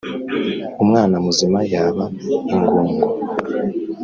umwana muzima yaba ingongo.